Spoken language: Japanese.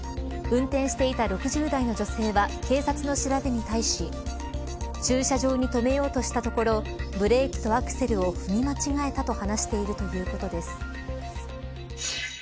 運転していた６０代の女性は警察の調べに対し駐車場に止めようとしたところブレーキとアクセルを踏み間違えたと話しているということです。